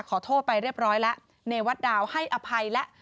ขอโทษไปเรียบร้อยแล้วเนวัตดาวให้อภัยแล้ว